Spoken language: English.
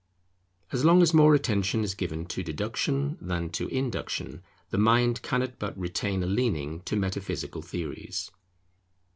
As long as more attention is given to deduction than to induction, the mind cannot but retain a leaning to metaphysical theories.